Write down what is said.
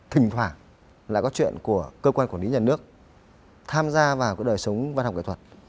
thỉnh thoảng là có chuyện của cơ quan quản lý nhà nước tham gia vào cái đời sống văn học kỹ thuật